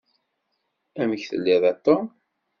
Amek telliḍ a Tom?